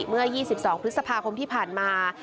เมื่อ๒๒พฤษภาคมที่ผ่านมา